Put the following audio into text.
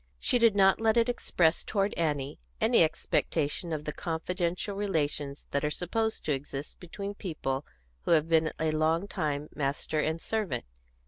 She did not let it express toward Annie any expectation of the confidential relations that are supposed to exist between people who have been a long time master and servant.